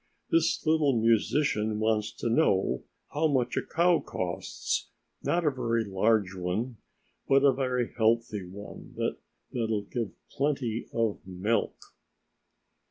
"This little musician wants to know how much a cow costs, not a very large one, but a very healthy one that'll give plenty of milk!"